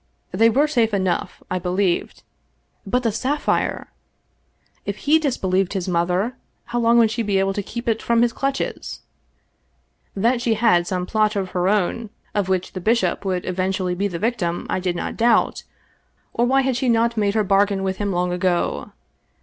They were safe enough, I be lieved — but the sapphire ! If he disbelieved his mother, how long would she be able to keep it from his. clutches ? That she had some plot of her own of which the bishop would eventually be the victim I did not doubt, or why had she not made her bargain with him long ago